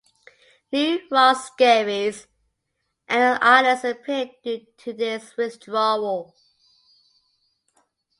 New "rocks" (skerries) and islands appeared due to this withdrawal.